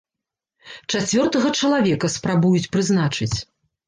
Чацвёртага чалавека спрабуюць прызначыць.